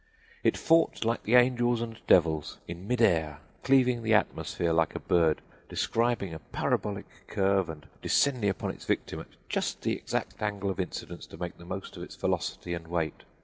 It fought like the angels and devils, in mid air, cleaving the atmosphere like a bird, describing a parabolic curve and descending upon its victim at just the exact angle of incidence to make the most of its velocity and weight.